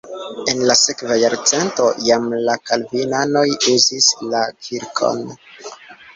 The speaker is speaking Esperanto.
En la sekva jarcento jam la kalvinanoj uzis la kirkon.